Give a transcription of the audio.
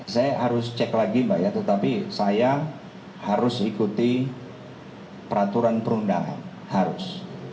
saya harus cek lagi mbak ya tetapi saya harus ikuti peraturan perundangan harus